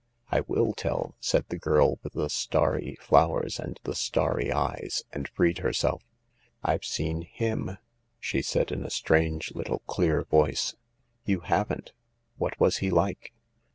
I will tell," said the girl with the starry flowers and the starry eyes, and freed herself. " I've seen him/' she said in a strange little clear voice, " You haven't ! What was he like